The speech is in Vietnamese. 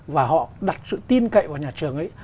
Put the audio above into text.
và họ đặt sự tin cậy vào nhà trường ấy